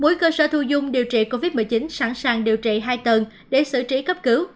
mỗi cơ sở thu dung điều trị covid một mươi chín sẵn sàng điều trị hai tầng để xử trí cấp cứu